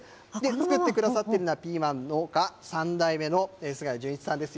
作ってくださっているのはピーマン農家３代目の菅谷淳一さんです